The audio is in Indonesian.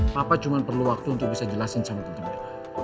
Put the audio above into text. papa cuma perlu waktu untuk bisa jelasin sama temennya